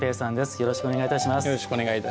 よろしくお願いします。